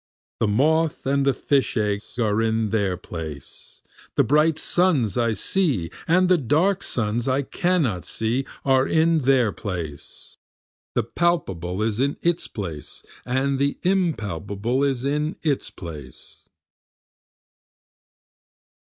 (The moth and the fish eggs are in their place, The bright suns I see and the dark suns I cannot see are in their place, The palpable is in its place and the impalpable is in its place.)